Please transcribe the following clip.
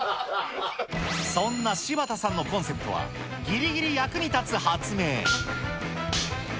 そんなシバタさんのコンセプトは、ギリギリ役に立つ発明。